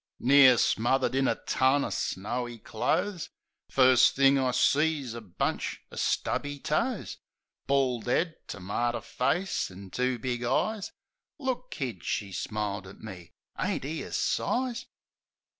Near smothered in a ton of snowy clothes, First thing, I sees a bunch o' stubby toes, Bald 'ead, termater face, an' two big eyes. "Look, Kid," she smiles at me. "Ain't 'e a size?"